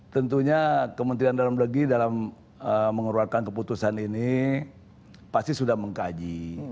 tentunya kementerian dalam negeri dalam mengeluarkan keputusan ini pasti sudah mengkaji